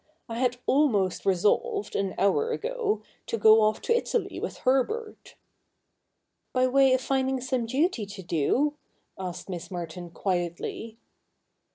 I had almost resolved, an hour ago, to go off to Italy with Herbert.' ' By way of finding some duty to do ?' asked ^liss Merton quietly.